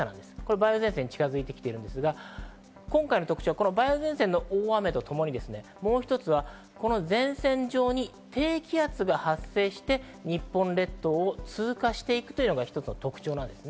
梅雨前線が近づいてきているんですが、今回の特徴、梅雨前線の大雨とともに、もう一つは前線上に低気圧が発生して日本列島を通過していくというのが一つの特徴です。